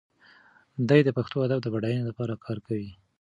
دی د پښتو ادب د بډاینې لپاره کار کوي.